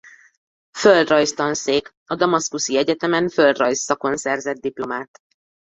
Földrajz Tanszék A damaszkuszi egyetemen földrajz szakon szerzett diplomát.